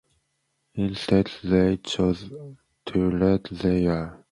Instead, they choose to let their positions be determined by three factors.